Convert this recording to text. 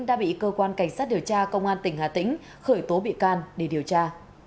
đã bị cơ quan cảnh sát điều tra công an tỉnh hà tĩnh khởi tố bị can để điều tra